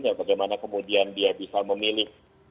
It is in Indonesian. ya bagaimana kemudian dia bisa memilih